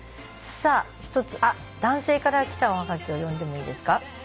さあ１つ男性から来たおはがきを読んでもいいですか？